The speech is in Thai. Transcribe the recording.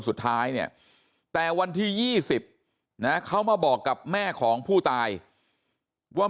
สุดท้ายเนี่ยแต่วันที่๒๐นะเขามาบอกกับแม่ของผู้ตายว่า